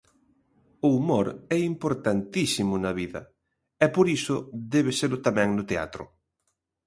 O humor é importantísimo na vida e por iso debe selo tamén no teatro.